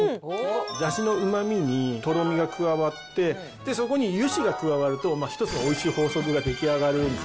だしのうまみにとろみが加わって、そこに油脂が加わると、１つのおいしい法則が出来上がるんです。